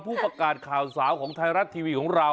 ผู้ประกาศข่าวสาวของไทยรัฐทีวีของเรา